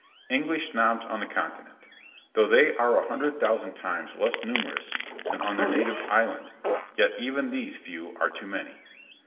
English Snobs on the Continent though they are a hundred thousand times less numerous than on their native island, yet even these few are too many.